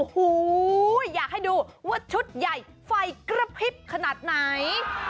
โอ้โหอยากให้ดูว่าชุดใหญ่ไฟกระพริบขนาดไหน